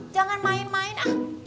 jangan main main ah